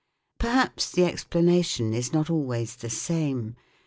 Perhaps the explanation is not always the same.